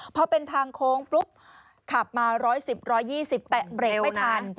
พอเป็นทางโค้งปุ๊บขับมา๑๑๐๑๒๐แตะเบรกไม่ทัน